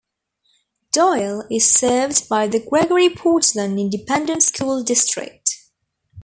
Doyle is served by the Gregory-Portland Independent School District.